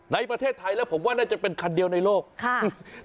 ในประเทศไทยแล้วผมว่าน่าจะเป็นคันเดียวในโลกค่ะ